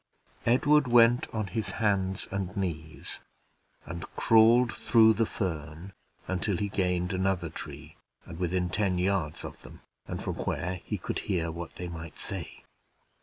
Edward went on his hands and knees, and crawled through the fern until he gained another tree, and within ten yards of them, and from where he could hear what they might say.